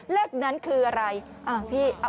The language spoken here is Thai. เลขนั้นคืออะไรพี่